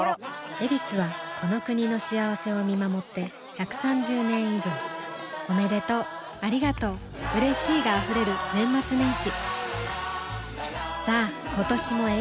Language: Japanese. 「ヱビス」はこの国の幸せを見守って１３０年以上おめでとうありがとううれしいが溢れる年末年始さあ今年も「ヱビス」で